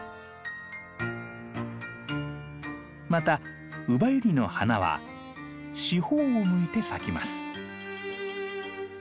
またウバユリの花は四方を向いて咲きます。